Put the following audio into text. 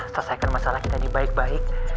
selesaikan masalah kita ini baik baik